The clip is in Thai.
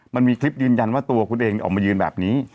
มันมีคลิปยืนยันว่าตัวคุณเองออกมายืนแบบนี้